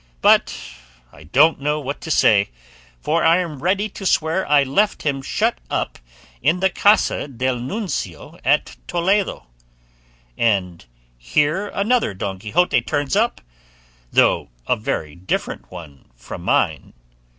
But I don't know what to say, for I am ready to swear I left him shut up in the Casa del Nuncio at Toledo, and here another Don Quixote turns up, though a very different one from mine."